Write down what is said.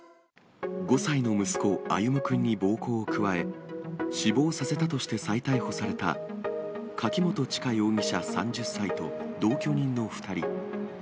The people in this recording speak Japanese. ５歳の息子、歩夢くんに暴行を加え、死亡させたとして再逮捕された、柿本知香容疑者３０歳と、同居人の２人。